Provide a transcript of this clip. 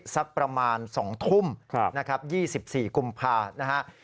สักประมาณ๒ทุ่มนะครับ๒๔กุมภานะฮะ